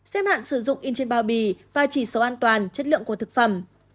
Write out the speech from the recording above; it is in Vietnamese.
xếp hạn sử dụng in trên bao bì và chỉ số an toàn chất lượng của thực phẩm